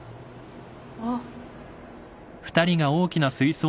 あっ